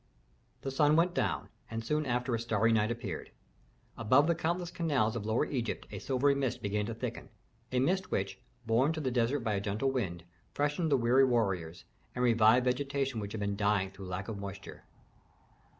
The sun went down, and soon after a starry night appeared. Above the countless canals of Lower Egypt a silvery mist began to thicken, a mist which, borne to the desert by a gentle wind, freshened the wearied warriors, and revived vegetation which had been dying through lack of moisture.